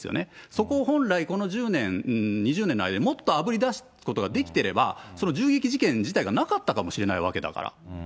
そこを本来、この１０年、２０年の間にもっとあぶり出すことができてれば、銃撃事件自体がなかったかもしれないわけだから。